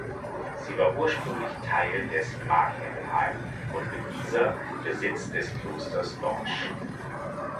Sie war ursprünglich Teil der Mark Heppenheim und mit dieser Besitz des Klosters Lorsch.